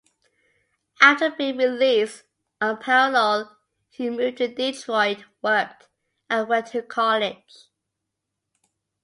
After being released on parole, he moved to Detroit, worked and went to college.